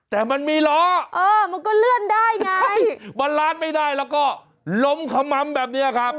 แต่มันมีล้อใช่มันร้านไม่ได้แล้วก็ล้มขมัมแบบนี้ครับ